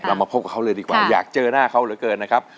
มาพบกับเขาเลยดีกว่าอยากเจอหน้าเขาเหลือเกินนะครับ